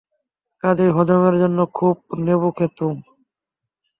কাজেই হজমের জন্য খুব নেবু খেতুম।